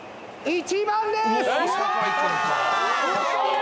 １番です。